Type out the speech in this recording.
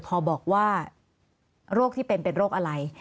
พอบอกว่าโรคที่เป็นเป็นโรคอะไร